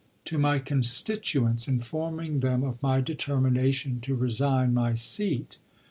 "To my constituents, informing them of my determination to resign my seat."